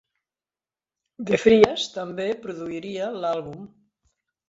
DeFries també produiria l'àlbum.